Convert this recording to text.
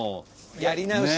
やり直し。